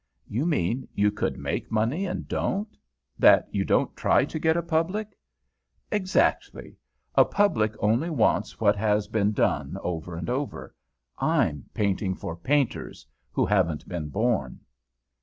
"You mean you could make money and don't? That you don't try to get a public?" "Exactly. A public only wants what has been done over and over. I'm painting for painters, who haven't been born."